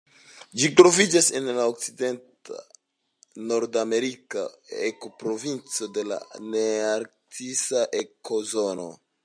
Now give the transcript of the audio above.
Ĝi troviĝas en la okcident-nordamerika ekoprovinco de la nearktisa ekozono.